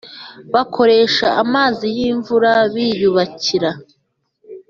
Bakoresha amazi y imvura biyubakira